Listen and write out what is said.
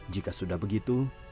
jika sudah begitu